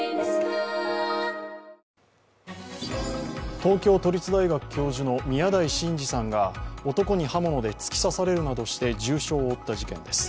東京都立大学教授の宮台真司さんが男に刃物で突き刺されるなどして重傷を負った事件です。